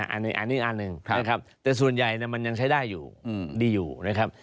อันนี้อันหนึ่งนะครับแต่ส่วนใหญ่มันยังใช้ได้อยู่ดีอยู่นะครับ